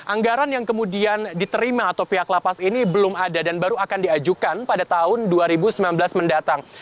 anggaran yang kemudian diterima atau pihak lapas ini belum ada dan baru akan diajukan pada tahun dua ribu sembilan belas mendatang